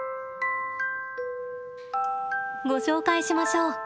ご紹介しましょう。